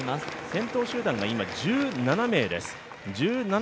先頭集団が今１７名です。